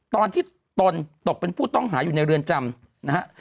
ตอนที่ตนตกเป็นผู้ต้องหาอยู่ในเรือนจำนะครับ